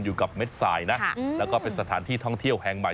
กับเม็ดสายนะแล้วก็เป็นสถานที่ท่องเที่ยวแห่งใหม่